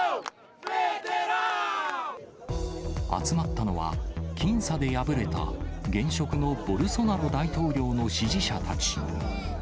集まったのは、僅差で破れた現職のボルソナロ大統領の支持者たち。